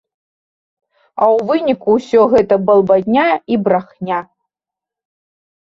А ў выніку ўсё гэта балбатня і брахня.